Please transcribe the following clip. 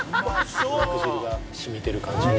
肉汁が染みてる感じが。